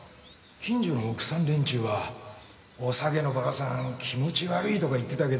近所の奥さん連中は「おさげのばあさん気持ち悪い」とか言ってたけど。